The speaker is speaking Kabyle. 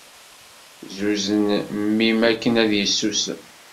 Zuzen mmi-m akken ad yessusem.